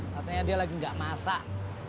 katanya dia lagi nggak masak